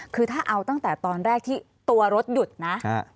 คือถ้าเอาตั้งแต่ตอนแรกที่ตัวรถหยุดนะ